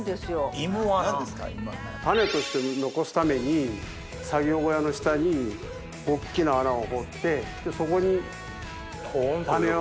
種として残すために作業小屋の下に大っきな穴を掘ってそこに種を。